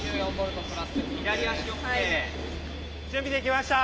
準備できました！